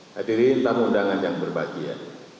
hadirin tamu undangan yang berbahagia